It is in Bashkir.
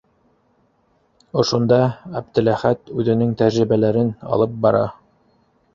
Ошонда Әптеләхәт үҙенең тәжрибәләрен алып бара.